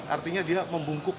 artinya dia membungkuk